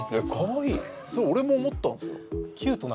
そう俺も思ったんですよ。